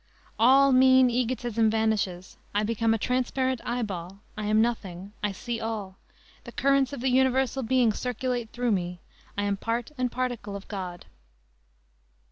"All mean egotism vanishes. I become a transparent eyeball; I am nothing; I see all; the currents of the Universal Being circulate through me; I am part and particle of God."